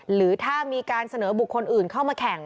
หรือถ้ามีการเสนอบุคคลอื่นเข้ามาแข่ง